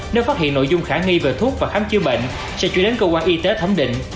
nếu phát hiện nội dung khả nghi về thuốc và khám chữa bệnh sẽ chuyển đến cơ quan y tế thẩm định